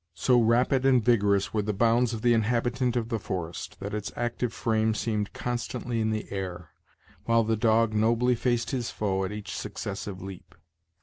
So rapid and vigorous were the bounds of the inhabitant of the forest, that its active frame seemed constantly in the air, while the dog nobly faced his foe at each successive leap.